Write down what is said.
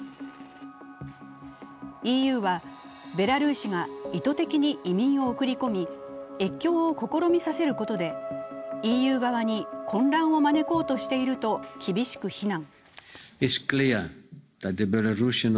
ＥＵはベラルーシが意図的に移民を送り込み越境を試みさせることでＥＵ側に混乱を招こうとしていると厳しく非難。